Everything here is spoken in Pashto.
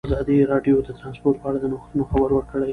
ازادي راډیو د ترانسپورټ په اړه د نوښتونو خبر ورکړی.